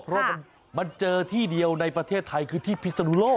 เพราะว่ามันเจอที่เดียวในประเทศไทยคือที่พิศนุโลก